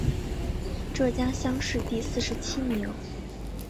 浙江乡试第四十七名。